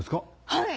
はい！